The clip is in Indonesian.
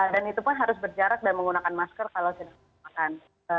dan itu pun harus berjarak dan menggunakan masker kalau sudah makan